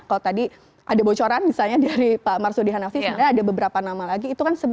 kalau tadi ada bocoran misalnya dari pak marsudi hanafi sebenarnya ada beberapa nama lagi